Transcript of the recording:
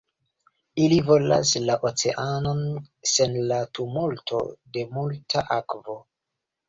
Ili volas la oceanon sen la tumulto de multa akvo.